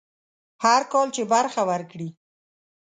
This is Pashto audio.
هر کال چې برخه ورکړي.